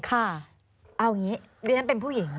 เอาอย่างนี้เดี๋ยวนั้นเป็นผู้หญิง